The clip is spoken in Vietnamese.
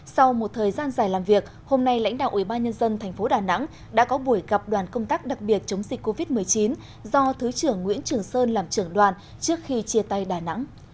sau một thời gian dài làm việc hôm nay lãnh đạo ubnd tp đà nẵng đã có buổi gặp đoàn công tác đặc biệt chống dịch covid một mươi chín do thứ trưởng nguyễn trường sơn làm trưởng đoàn trước khi chia tay đà nẵng